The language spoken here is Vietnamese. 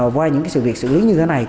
qua những sự việc xử lý như thế này